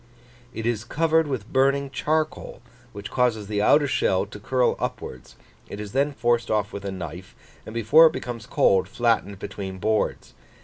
"It is covered with burning charcoal, which causes the outer shell to curl upwards, it is then forced off with a knife, and before it becomes cold flattened between boards.